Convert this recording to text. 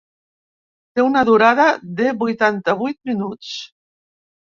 Té una durada de vuitanta-vuit minuts.